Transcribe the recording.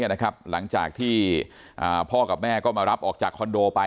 กันอ่ะครับหลังจากที่อะพ่อกับแม่ก็มารับออกจากคอนโดไป